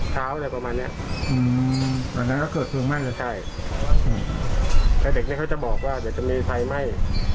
ใช่แล้วเด็กนี้เขาจะบอกว่าเดี๋ยวจะมีไฟไหม้